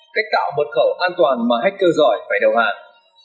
cách tạo mật khẩu an toàn mà hacker giỏi phải đầu hàng